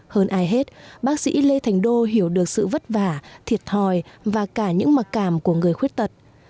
hơn ai hết bác sĩ lê thành đô hiểu được sự vất vả thiệt thòi và cả những mặc cảm của người khuyết tật